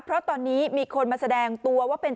เพราะตอนนี้มีคนมาแสดงตัวว่าเป็น